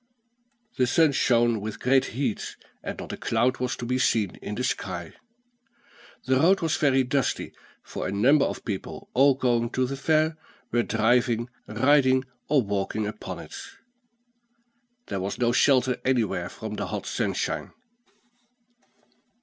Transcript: The sun shone with great heat, and not a cloud was to be seen in the sky. The road was very dusty; for a number of people, all going to the fair, were driving, riding, or walking upon it. There was no shelter anywhere from the hot sunshine.